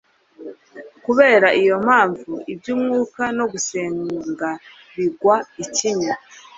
kubera iyo mpamvu, iby'umwuka no gusenga bigwa ikinya